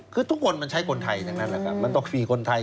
คือทุกคนมันใช้คนไทยทั้งนั้นแหละครับมันต้องฟรีคนไทย